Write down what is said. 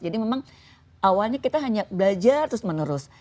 jadi memang awalnya kita hanya belajar terus menerus